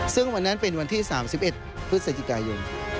ซึ่งวันนั้นเป็นวันที่๓๑พฤศจิกายน